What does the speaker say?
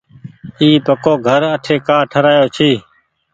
اي پڪوگهر آٺي ڪآ ٺرآيو ڇي۔